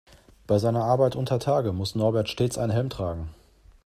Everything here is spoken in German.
Bei seiner Arbeit untertage muss Norbert stets einen Helm tragen.